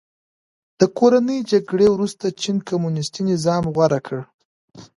د کورنۍ جګړې وروسته چین کمونیستي نظام غوره کړ.